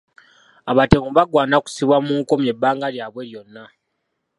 Abatemu bagwana kussibwa mu nkomyo ebbanga lyabwe lyonna.